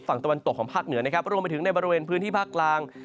ฝั่งตะวันตกของภาคเหนือนะครับรวมไปถึงในบริเวณพื้นที่ภาคกลาง